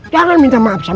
jangan minta maaf sekali